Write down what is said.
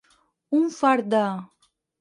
Un fart de.